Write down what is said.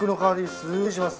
失礼します。